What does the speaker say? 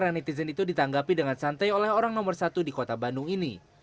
netizen itu ditanggapi dengan santai oleh orang nomor satu di kota bandung ini